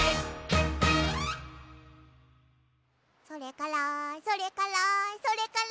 「それからそれからそれから」